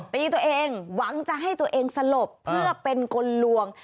ตีตัวเองหวังจะให้ตัวเองสลบเพื่อเป็นคนลวง